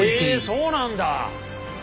そうなんだ。